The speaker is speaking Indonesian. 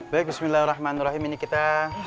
baik bismillahirrahmanirrahim ini kita